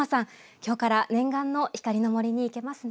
今日から念願の光の森に行けますね。